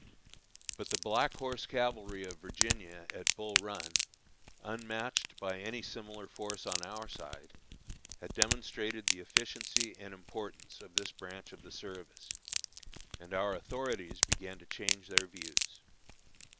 But the Black Horse Cavalry of Virginia, at Bull Run, unmatched by any similar force on our side, had demonstrated the efficiency and importance of this branch of the service, and our authorities began to change their views.